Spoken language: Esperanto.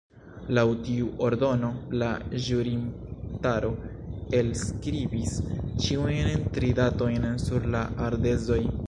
Laŭ tiu ordono, la ĵurintaro elskribis ĉiujn tri datojn sur la ardezoj.